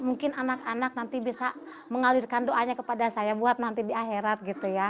mungkin anak anak nanti bisa mengalirkan doanya kepada saya buat nanti di akhirat gitu ya